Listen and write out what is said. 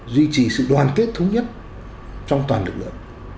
duy trì sự đoàn kết thống nhất trong toàn lực lượng